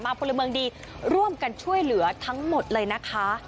พลเมืองดีร่วมกันช่วยเหลือทั้งหมดเลยนะคะ